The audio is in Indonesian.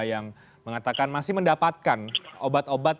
yang mengatakan masih mendapatkan obat obat